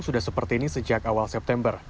sudah seperti ini sejak awal september